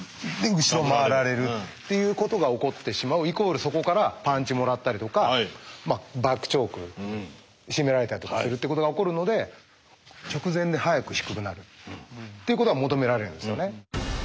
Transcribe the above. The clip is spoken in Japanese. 後ろ回られるっていうことが起こってしまうイコールそこからパンチもらったりとかバックチョーク絞められたりとかするってことが起こるので直前で速く低くなるっていうことが求められるんですよね。